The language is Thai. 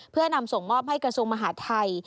เพื่อนำส่งมอบให้กระทรวงมหาทัย